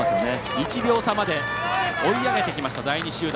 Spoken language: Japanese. １秒差まで追い上げてきた第２集団。